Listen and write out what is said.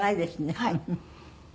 はい。